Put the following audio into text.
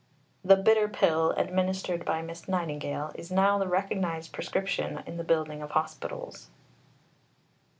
The bitter pill, administered by Miss Nightingale, is now the recognized prescription in the building of Hospitals.